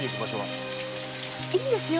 いいんですよ